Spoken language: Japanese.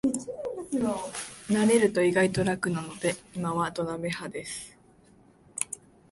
慣れると意外と楽なので今は土鍋派です